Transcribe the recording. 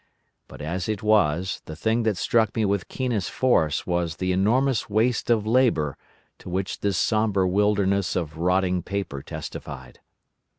But as it was, the thing that struck me with keenest force was the enormous waste of labour to which this sombre wilderness of rotting paper testified.